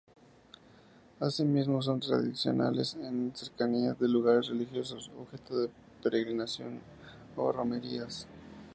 Asimismo son tradicionales en las cercanías de lugares religiosos objeto de peregrinación o romerías.